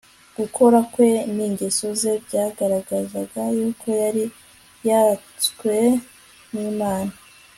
Gukora kwe ningeso ze byagaragazaga yuko yari yasTzwe nlmana